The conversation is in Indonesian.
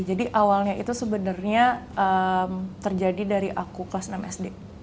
jadi awalnya itu sebenarnya terjadi dari aku kelas enam sd